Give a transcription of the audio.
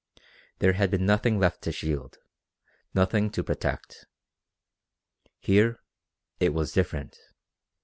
There had been nothing left to shield, nothing to protect. Here it was different.